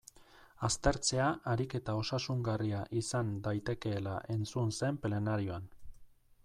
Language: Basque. Aztertzea ariketa osasungarria izan daitekeela entzun zen plenarioan.